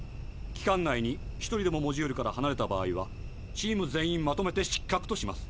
期間内に１人でもモジュールからはなれた場合はチーム全員まとめて失格とします。